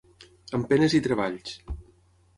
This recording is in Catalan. Amb penes i treballs.